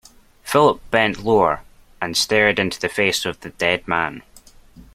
Philip bent lower, and stared into the face of the dead man.